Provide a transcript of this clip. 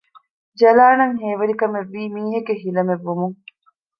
ޖަލާންއަށް ހޭވެރިކަމެއްވީ މީހެއްގެ ހިލަމެއްވުމުން